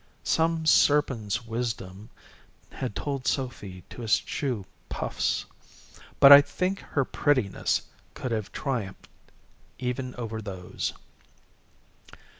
Some serpent's wisdom had told Sophy to eschew puffs. But I think her prettiness could have triumphed even over those.